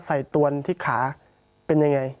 ตวนที่ขาเป็นยังไง